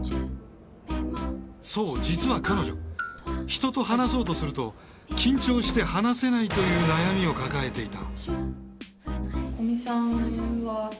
そう実は彼女人と話そうとすると緊張して話せないという悩みを抱えていた。